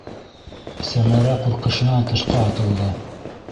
Сәмәрә ҡурҡышынан тышҡа атылды.